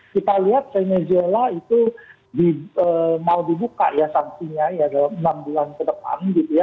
kita lihat venezuela itu mau dibuka ya sanksinya ya dalam enam bulan ke depan gitu ya